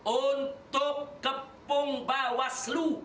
untuk kepung mbak waslu